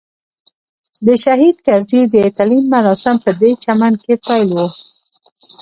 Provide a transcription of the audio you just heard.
د شهید کرزي د تلین مراسم پدې چمن کې پیل وو.